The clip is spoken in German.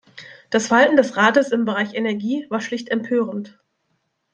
Das Verhalten des Rates im Bereich Energie war schlicht empörend.